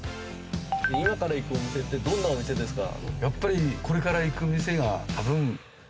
今から行くお店ってどんなお店ですか？